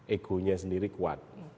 egonya sendiri kuat